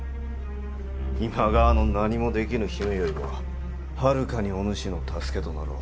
今川の何もできぬ姫よりもはるかにお主の助けとなろう。